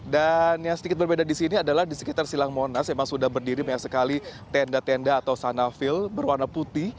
dan yang sedikit berbeda disini adalah di sekitar silang monas memang sudah berdiri banyak sekali tenda tenda atau sana vil berwarna putih